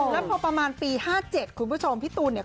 แล้วพอประมาณปี๕๗คุณผู้ชมพี่ตูนเนี่ย